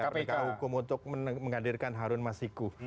pdip hukum untuk menghadirkan harun mas hiku